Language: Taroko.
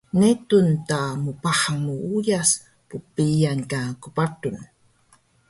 netun ta mbahang muuyas bbiyan ka qpatun